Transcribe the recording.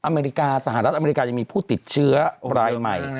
อเมริกาสหรัฐอเมริกายังมีผู้ติดเชื้อรายใหม่